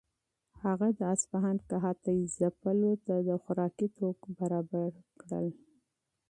هغه د اصفهان قحطۍ ځپلو ته خوراکي توکي برابر کړل.